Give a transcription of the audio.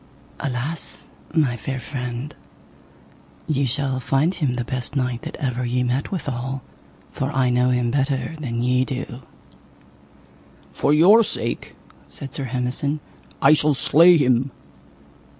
Alas, my fair friend, ye shall find him the best knight that ever ye met withal, for I know him better than ye do. For your sake, said Sir Hemison, I shall slay him.